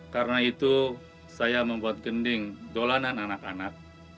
karena itu saya membuat gending dolanan anak anak